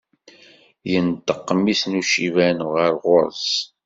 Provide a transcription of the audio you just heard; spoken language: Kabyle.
Yenṭeq mmi-s n uciban ɣer ɣur-s.